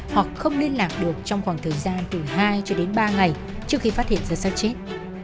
hoặc không liên lạc được trong khoảng thời gian từ hai cho đến ba ngày trước khi phát hiện ra sát chết